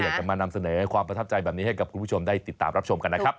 อยากจะมานำเสนอความประทับใจแบบนี้ให้กับคุณผู้ชมได้ติดตามรับชมกันนะครับ